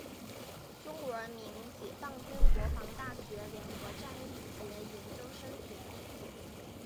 中国人民解放军国防大学联合战役学研究生学历。